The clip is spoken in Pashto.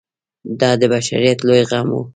دا د بشریت لوی غم و.